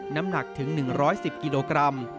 น้ำหนักถึง๑๑๐กิโลกรัม